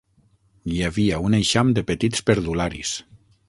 Hi havia un eixam de petits perdularis